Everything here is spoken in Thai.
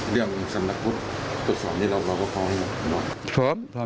เรื่องสำนักภูติตรวจสอบนี้เราก็พร้อมให้คุณบ้าน